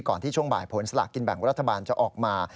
ที่ช่วงบ่ายผลสลากกินแบ่งรัฐบาลจะออกมา